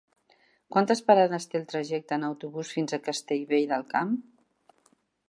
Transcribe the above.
Quantes parades té el trajecte en autobús fins a Castellvell del Camp?